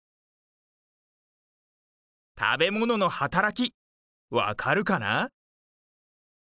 たべもののはたらきわかるかな？